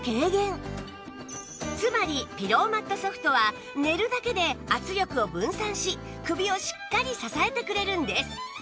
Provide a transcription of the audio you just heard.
つまりピローマット Ｓｏｆｔ は寝るだけで圧力を分散し首をしっかり支えてくれるんです